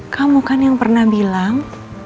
kamu kan yang pernah bilang